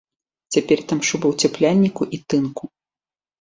Цяпер там шуба ўцяпляльніку і тынку.